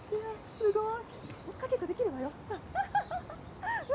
すごーい！